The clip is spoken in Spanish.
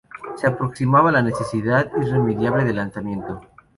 Se aproximaba la necesidad irremediable del alzamiento.